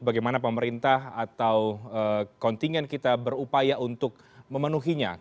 bagaimana pemerintah atau kontingen kita berupaya untuk memenuhinya